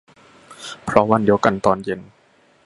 เพราะวันเดียวกันตอนเย็น